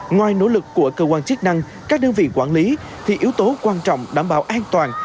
ngoài nỗ lực của cơ quan chức năng các đơn vị quản lý thì yếu tố quan trọng đảm bảo an toàn